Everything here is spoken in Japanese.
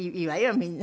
みんな。